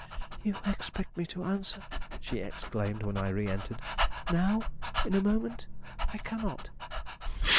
"You expect me to answer," she exclaimed, when I re entered, "now, in a moment? I cannot."